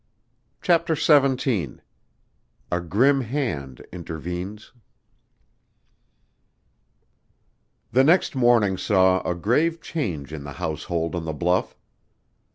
CHAPTER XVII A GRIM HAND INTERVENES The next morning saw a grave change in the household on the bluff.